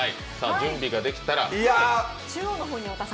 準備ができたら。